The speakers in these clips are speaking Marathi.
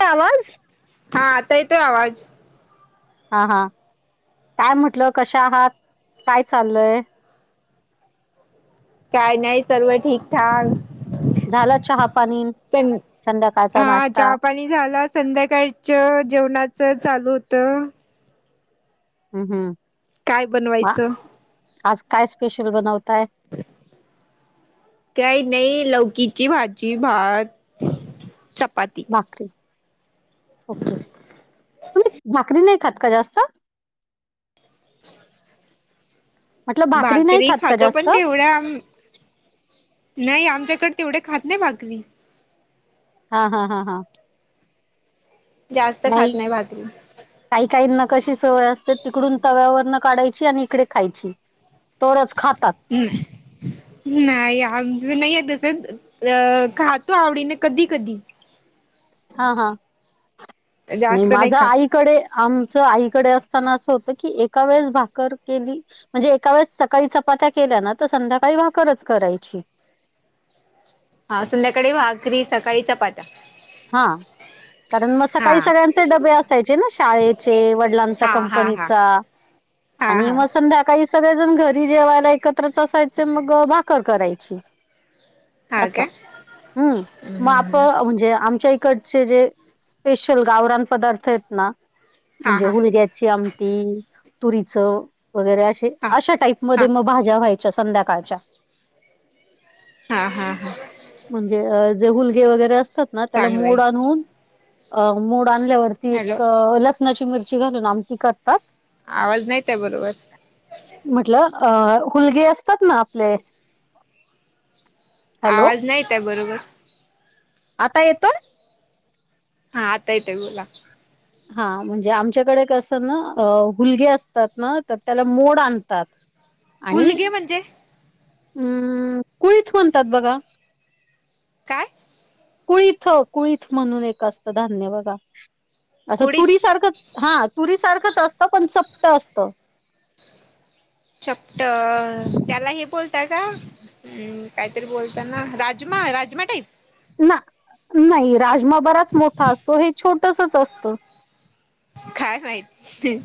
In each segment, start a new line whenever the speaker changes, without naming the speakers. का आवाज
हा आता येतोय आवाज
हा हा काय म्हटलं कशा आहात काय चाललंय.
काय नाही सर्व ठीकठाक
झाला चहा पाणी
पण
संध्याकाळचा
हा
नाश्ता
चहा पाणी झाल अस संध्याकाळीच जेवणाच चालू होत.
हम् हम्
काय बनवायचं?
आज काय स्पेशल बनवताय?
काही नाही लौकीची भाजी भात चप
भाकरी ओके तुम्ही भाकरी नाही खात का जास्त.
[inaudible]
म्हटलं नाही
भाकरी
खात का
खातो
जास्त
पण तेवढा आम् नाही आमच्याकडे तेवढे खात नाही भाकरी
हा हा हा हा
जास्त खात नाही भाकरी - -
काही काहीना कशी सवय असते.... तिकडून तव्या वरनं काढायची आणि इकडे खायची. तोरच खातात
हम्मं. नाही... आमचं नाहीए तसं... अ... खातो आवडीने कधीं कधीं.
हां हां... नाई....
जास्त नाही
माझं
खात.
आईक कडे, आमचं आईकडे असतांना असं होतं की... एका वेळेस भाकर केली म्हणजे एका वेळेस सकाळी चपात्या केल्या नां... तरं संध्याकाळी भाकरचं करायची.
हा... संध्याकाळी भाकरी.... सकाळी चपाती.
हां. कारण मग
हा
सकाळी सगळ्यांचे डब्बे असायचे ना... शाळेचे, वडिलांचा
हा हा हा
कंपनीचा
हा
आणि
हा
मग संध्या काळी सगळेजण घरी जेवायला एकत्रच असायचे... मग भाकर करायची.
हा का
असं... हम्मं... मापं म्हणजे आमच्या इकडचे जे... स्पेशल गांवरान पदार्थ आहेत ना...
हा
म्हणजे
हा
हूलग्या ची आमटी... तुरीचं वगैरे असे...
हा
अशा
हा
टाईपमध्ये... म... भाज्या व्हायच्या संध्याकाळच्या
हां हां हां.
म्हणजे जे हूलगे वगैरे असतात ना... त्यांला
चांगलंय
मोड आणून अ... मोड आणल्यावरती...
हॅलो
एक लसणांची मिर्ची घालून आमटी करतात
आवाज नाई येतए बरोबर
म्हटलं... अ... हूलगे असतात ना आपले हॅलो
आवाज नाई येतए बरोबर
आता येतोय?
हां... आता येतोय... बोला
हां... म्हणजे आमच्याकडे कसं ना... हूलगे असतात ना... तर त्यांला मोड आणतात आणि...
हुलगे म्हणजे
अहम्मं... कुळीथ म्हणतात बघा
काय?
कुळीथ... कुळीथ म्हणून एक असतं धान्य बघा... असं
कुडीत
तुरी सारखंच हां... तुरीसारखंच असतं... पण चपटं असतं.
चपटं... त्यांला हे बोलताय का? हम्मं... काहीतरी बोलतात ना... राजमा... राजमा टाईप
नां... नाई... राजमा बराच मोठा असतो... हे छोटंसंच असतं.
काय माहित?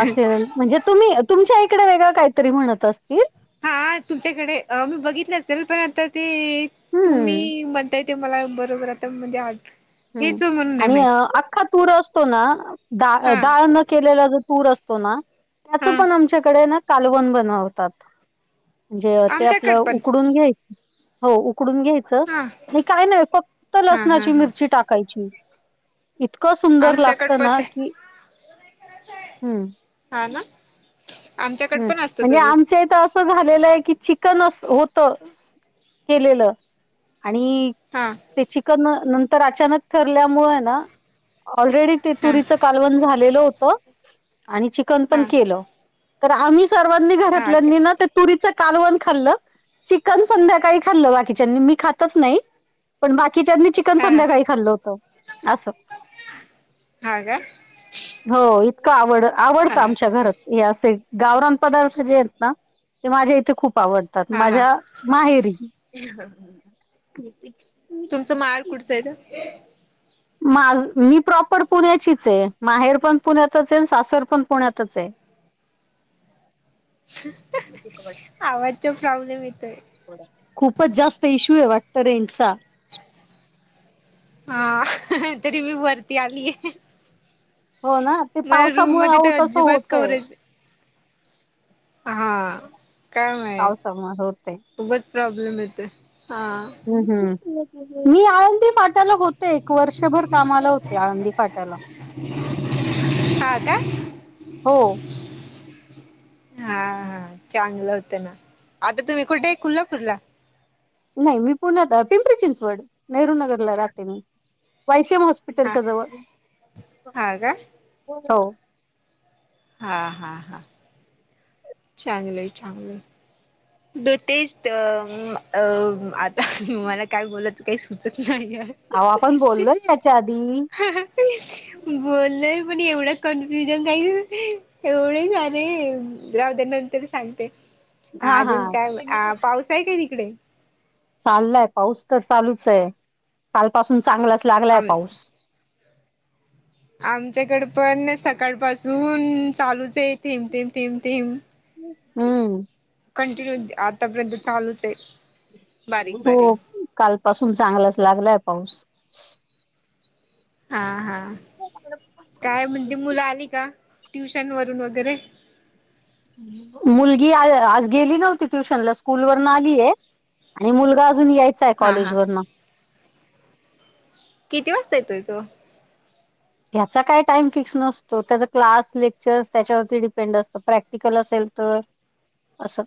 असेल... म्हणजे तुम्ही... तुमच्या इकडे वेगळं कांहीतरी म्हणतं असतील
हा... तुमच्याकडे... मी बघितलं असेल... पणं आता ते
हम्म.
तुम्ही म्हण ताय... मला बरोबर आता म्हणजे हे
हम्मं...
चो म्हणून नाही
आणि
माहित
अख्खा तूर असतो ना दाळ...
हा
दाळ न केलेला जो तूर असतो ना... त्याचं
हा
पण आमच्याकडे ना कालवन बनवतात... म्हणजे ते आपलं
आमच्याकड पण
उकडून घ्यायचं हो... उकडून घ्यायचं....
हा
आणि काय नाय... फक्तं
हा हा
लसणाची
हा
मिर्ची टाकायची इतकं सुंदर
आमच्याकड
लागतं
पण
ना...
ते
कि हम्मं
हां ना? आमच्याकड
हम्म...
पण असतं
म्हणजे
तसंच
आमच्या इथं अस असं झालेलं हे की... चिकन अस... होतं केलेलं आणि
हा.
ते चिकन नंतर... अचानक ठरल्यामुळे ना ऑलरेडी ते
हा
तुरीच कालवण झालेलं होतं... आणि चिकन
हा
पणं केलं तरं आम्हीं सर्वांनी
हा
घरातल्यांनी
काय
ना ते तुरीचं कालवण खाल्लं... चिकन संध्याकाळी खाल्लं बाकीच्यांनी... मी खायचं नाही पण बाकीच्यांनी चिकन
हा
संध्याकाळी खाल्लं होतं... असं
हां का?
हो... इतकं आवड...
हा
आवडतं आमच्या घरांत... हे असं ए गांवरान पदार्थ जे आहेत ना... ते माझ्या इथे खूप आवडतात...
हा हा
माझ्या माझ्या... माहेरी
तुमचं... माहेर कुठचये तं?
माझं... मी प्रॉपर पुण्याचीच ए, माहेर पण पुण्यातच ए सासर पण पुण्यातच ए. [inaudible]
हं हं आवाजचं प्रॉब्लेम येतोय.
खूपचं जास्त इश्यू आहे वाटतं... रेंजचा
हा, तरी मी वरती आलीये.
हो ना, ते
रूम
पावसामुळे...
मध्ये
अहो
तर
तसं
अजिबात
होतंय.
कव्हरेज हा... काय माहीत,
पावसामुळे होतय
उगच प्रॉब्लेम येतोय, हा
हम्म, मी आळंदी फाट्याला होते एक वर्षभर कामाला होते... आळंदी फाट्याला.
हा का?
हो
हा चांगलं होतं ना, आता तुम्ही कुठं ए कोल्हापूरला?
नाही... मी पुण्यात... पिंपरी चिंचवड, नेहरू नगरला राहते मी... वाय सी एम हॉस
हा
हाॅस्पिटलच्या जवळ,
हा का
हो
हा हा हा. चांगलंय चांगलंय [unintelligible] आता मला काय बोलायचं काही सुचत नाही ये
अहो आपण बोललोय याच्या आधी
हं हं हं... बोललोय... पण एवढं कन्फ्युजन काही एवढे सारे... राऊ द्या नंतर सांगते...
हा हा
अजून काय पाऊस हाय काय तिकडे?
चाललाय... पाऊस तर चालूच ए... काल पासून चांगलाच लागलाय
आम
पाऊस.
आमच्याकडं पण... सकाळ पासून चालूच ए... थेम, थेम थेम, थेम.
हम्म.
कंटिन्यू... ती आतापर्यंत चालूच ए.
हो, कालपासून चांगलाच लागलाय पाऊस.
हा हा.
ठेऊ [unintelligible]
काय म्हणती... मुलं आली का, ट्युशन वरून वगैरे?
मुलगी आज गेली नव्हती ट्युशनला... स्कूल वरून आलीये. आणि मुलगा अजून यायचाय
हा हा
कॉलेजवरन.
किती वाजता येतोय तो?
ह्याचा काय टाइम फिक्स नसतो... त्याचा क्लास, लेक्चर त्याच्यावरती डिपेंड असतं. प्रॅक्टिकल असेल तर, असं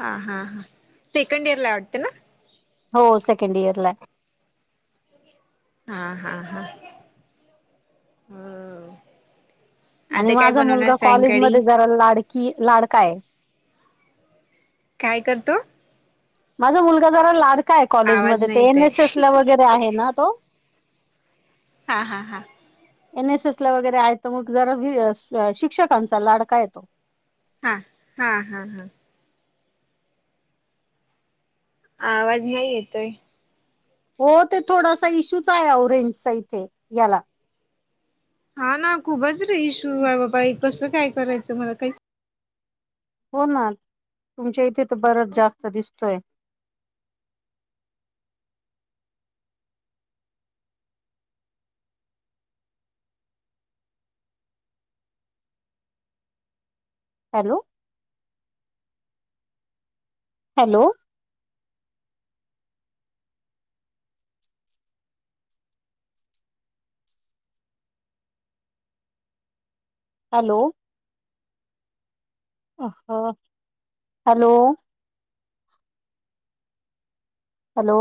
हा हा हां, सेकंड इयरला ए वाटतं ना!
हो सेकंड इयरला ए.
हा हा हा हा
आणि माझा मुलगा
सायंकाळी
कॉलेजमध्ये जरा लाडकी लाडकाय.
काय करतो?
माझा मुलगा जरा लाडका आहे
आवाज
कॉलेजमध्ये,
नाही
ते
येतय
एनएसएस ला वगैरे आहे ना तो.
हा हा हा.
एनएसएस ला वगैरे आहे तो मग जरा वी स शिक्षकांचा लाडका आहे तो.
हा हा हा हा. आवाज नाही येतोय.
हो ते थोडासा इश्यूच आहे ओ रेंजचा इथे याला.
हा ना खूपच र इश्यू आहे बाबा ही कसं काय करायचं मला काहीच
हो ना तुमच्या इथे तर बरंच जास्त दिसतोय. हॅलो! हॅलो! हॅलो! आ हा. हॅलो! हॅलो!